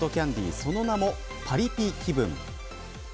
その名も、パリピ気分。